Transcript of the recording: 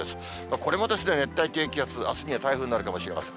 これもですね、熱帯低気圧、あすには台風になるかもしれません。